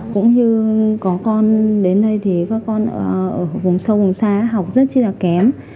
cũng như có con đến đây thì các con ở vùng sâu vùng xa học rất rất là kém